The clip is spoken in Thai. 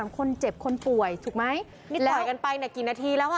คนเจ็บคนป่วยถูกไหมนี่ต่อยกันไปเนี่ยกี่นาทีแล้วอ่ะ